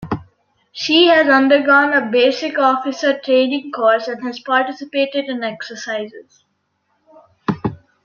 She has undergone a basic officer training course and has participated in exercises.